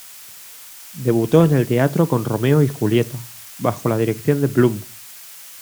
Debutó en el teatro con "Romeo y Julieta", bajo la dirección de Blume.